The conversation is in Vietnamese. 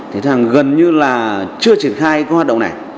thì gần như là chưa triển khai cái hoạt động này